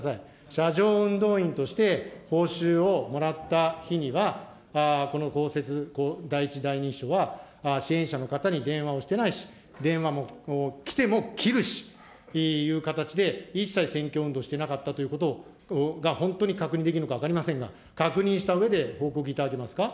車上運動員として報酬をもらった日には、この公設第１、第２秘書は、支援者の方に電話をしてないし、電話も来ても切るしという形で、一切選挙運動していなかったということが本当に確認できるのか分かりませんが、確認したうえで報告いただけますか。